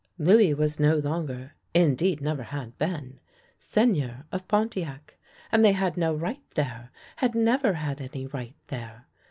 Louis was no longer — indeed, never had been — Seigneur of Pontiac, and they had no right there, had never had any right there.